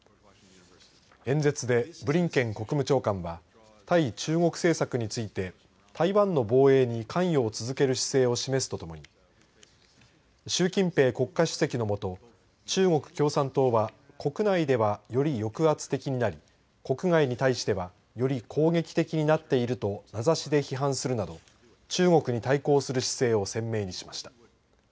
演説で、ブリンケン国務長官は対中国政策について台湾の防衛に関与を続ける姿勢を示すとともに習近平国家主席のもと中国共産党は国内ではより抑圧的になり国外に対してはより攻撃的になっていると名指しで批判するなど中国に対抗する姿勢を鮮明にしました。